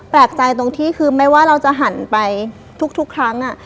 แปลกใจตรงที่คือไม่ว่าเราจะหันไปทุกครั้ง